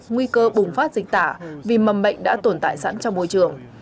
nguy cơ bùng phát dịch tả vì mầm bệnh đã tồn tại sẵn trong môi trường